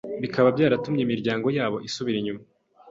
bikaba byaratumye imiryango yabo isubira inyuma